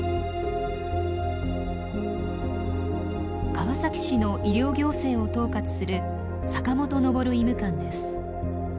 川崎市の医療行政を統括する坂元昇医務監です。